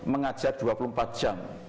mengajar dua puluh empat jam